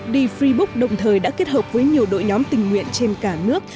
đi freebook đồng thời đã kết hợp với nhiều đội nhóm tình nguyện trên cả nước